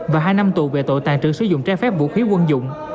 và hai năm tù về tội tàn trữ sử dụng trái phép vũ khí quân dụng